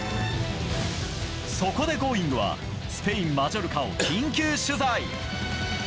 そこで「Ｇｏｉｎｇ！」はスペイン・マジョルカを緊急取材。